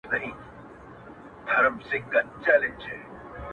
په خپل زړه کي د مرګې پر کور مېلمه سو!.